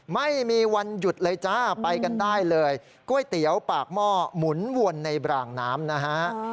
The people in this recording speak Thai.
ไม่มีวันหยุดเลยจ้าไปกันได้เลยก๋วยเตี๋ยวปากหม้อหมุนวนในบรางน้ำนะฮะ